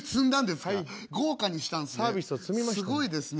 すごいですね。